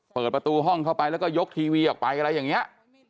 เปิดประตูห้องเข้าไปแล้วก็ยกทีวีออกไปอะไรอย่างนี้